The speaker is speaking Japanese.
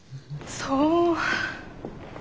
そう。